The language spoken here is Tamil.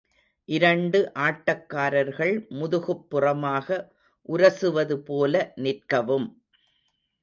இரண்டு ஆட்டக்காரர்கள் முதுகுப்புறமாக உரசுவதுபோல நிற்கவும்.